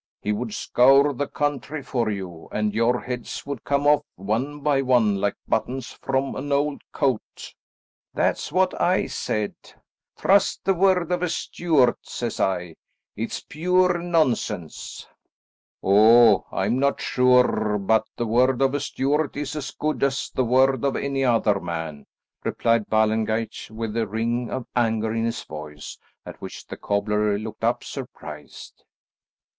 He would scour the country for you, and your heads would come off one by one like buttons from an old coat." "That's what I said. 'Trust the word of a Stuart,' says I, 'it's pure nonsense!'" "Oh I'm not sure but the word of a Stuart is as good as the word of any other man," replied Ballengeich with a ring of anger in his voice, at which the cobbler looked up surprised.